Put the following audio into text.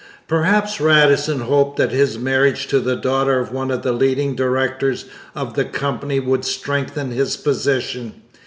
Perhaps Radisson hoped that his marriage to the daughter of one of the leading directors of the Company would strengthen his position.